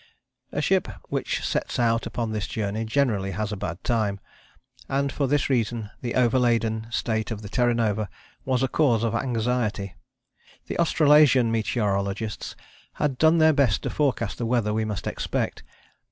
A ship which sets out upon this journey generally has a bad time, and for this reason the overladen state of the Terra Nova was a cause of anxiety. The Australasian meteorologists had done their best to forecast the weather we must expect.